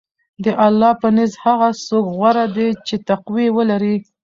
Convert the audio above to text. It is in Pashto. د الله په نزد هغه څوک غوره دی چې تقوی ولري.